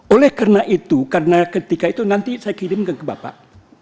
oleh karena itu karena ketika itu nanti saya kirimkan ke bapak